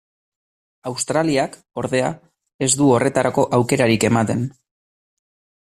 Australiak, ordea, ez du horretarako aukerarik ematen.